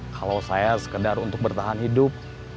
kalau saya sekedar untuk bertahan hidup